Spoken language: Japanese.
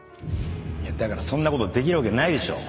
だからそんなことできるわけないでしょ。